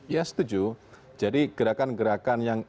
ya setuju jadi gerakan gerakan yang